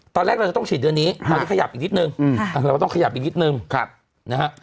ตอนแรกเราจะต้องฉีดเดือนนี้เราจะขยับอีกนิดนึงเราก็ต้องขยับอีกนิดนึงนะฮะ